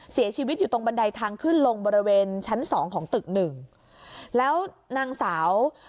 เสียชีวิตอยู่ตรงบันไดทางขึ้นลงบริเวณชั้นสองของตึกหนึ่งแล้วนางสาว